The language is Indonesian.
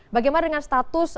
bagaimana dengan status